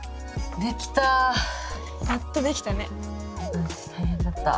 うん大変だった。